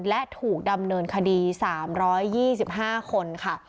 และถูกดำเนินคดี๓๒๕คนค่ะ